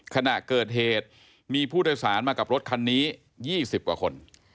ขณะเกิดเหตุมีผู้โดยสารมากับรถคันนี้๒๐กว่าคน